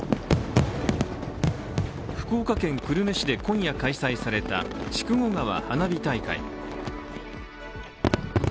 福岡県久留米市で今夜開催された筑後川花火大会。